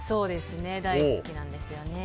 大好きなんですよね。